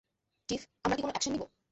Chief, আমরা কি কোনো একশন নিবো?